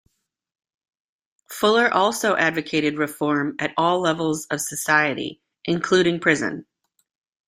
Fuller also advocated reform at all levels of society, including prison.